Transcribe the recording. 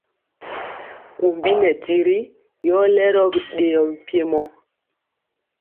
Kumbi nɛ tiri yɔ lero bidɛɛɔ mpiemo.